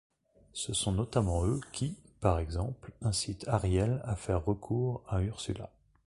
Ce sont notamment eux qui, par exemple, incitent Ariel à faire recours à Ursula.